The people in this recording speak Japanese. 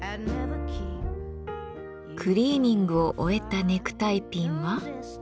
クリーニングを終えたネクタイピンは？